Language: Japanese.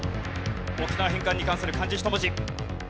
沖縄返還に関する漢字１文字。